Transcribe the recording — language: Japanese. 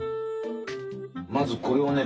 まずこれをね